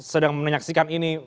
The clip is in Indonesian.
sedang menyaksikan ini